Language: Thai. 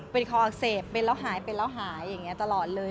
เป็นคออักเสบเป็นแล้วหายเป็นแล้วหายอย่างนี้ตลอดเลย